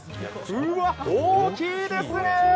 うわっ、大きいですね。